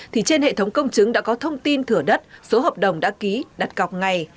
thì trên hệ thống công chứng đã có thông tin thửa đất số hợp đồng đã ký đặt cọc ngay